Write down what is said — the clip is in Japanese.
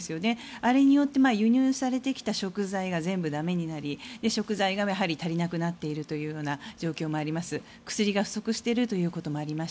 あれによって輸入されてきた食材が全部駄目になり食材が足りなくなっているという状況もあります。